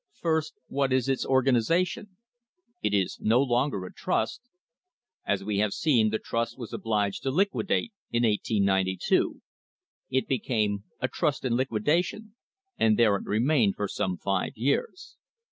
First, what is its organisation? It is no longer a trust. As we have seen, the trust was obliged to liquidate in 1892. It became a "trust in liquidation," and there it remained for some five years.